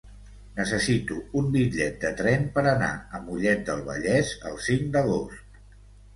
Necessito un bitllet de tren per anar a Mollet del Vallès el cinc d'agost.